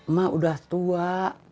ma udah tua